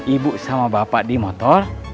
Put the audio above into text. ibu sama bapak di motor